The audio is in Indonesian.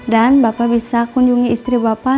dan bapak bisa kunjungi istri bapak